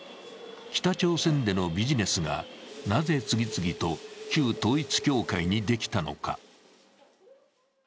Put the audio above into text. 北朝鮮でのビジネスがなぜ次々と旧統一教会にできたのか。